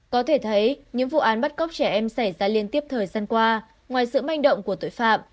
có thể thấy những vụ án bắt cóc trẻ em xảy ra liên tiếp thời gian qua ngoài sự manh động của tội phạm